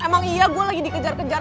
emang iya gue lagi dikejar kejar